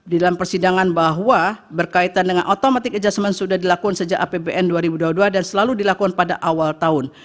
di dalam persidangan bahwa berkaitan dengan automatic adjustment sudah dilakukan sejak apbn dua ribu dua puluh dua dan selalu dilakukan pada awal tahun